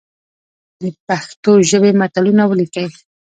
د پښتو ژبي متلونه ولیکئ!